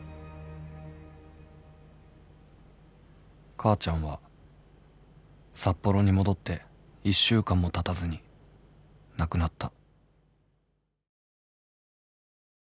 ［母ちゃんは札幌に戻って１週間もたたずに亡くなった］